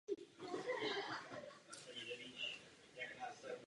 Aktivní byl i v meziválečném Polsku a v odboji za druhé světové války.